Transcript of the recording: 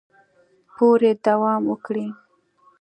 پورې دوام وکړي